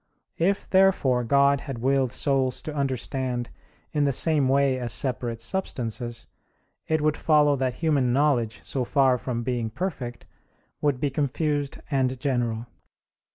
If, therefore, God had willed souls to understand in the same way as separate substances, it would follow that human knowledge, so far from being perfect, would be confused and general.